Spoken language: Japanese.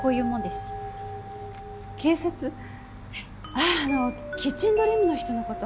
あああのキッチンドリームの人の事？